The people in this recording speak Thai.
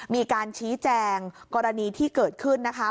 มีการชี้แจงกรณีที่เกิดขึ้นนะคะ